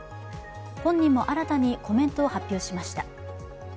本人も新たにコメントを発表しました。